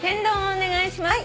お願いします。